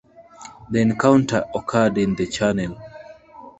The encounter occurred in the Channel.